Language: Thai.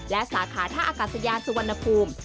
และสาขาท่าอากาศยานสุวรรณภูมิ